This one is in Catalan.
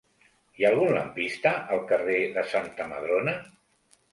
Hi ha algun lampista al carrer de Santa Madrona?